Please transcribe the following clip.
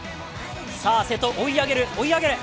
さあ瀬戸追い上げる、追い上げる。